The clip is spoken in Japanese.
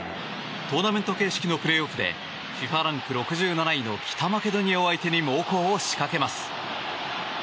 トーナメント形式のプレーオフでＦＩＦＡランク６７位の北マケドニアを相手に猛攻を仕掛けます。